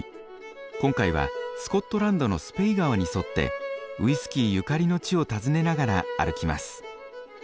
今回はスコットランドのスぺイ川に沿ってウイスキーゆかりの地を訪ねながら歩きます。